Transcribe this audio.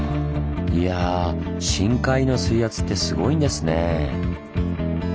いや深海の水圧ってすごいんですねぇ。